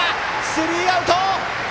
スリーアウト！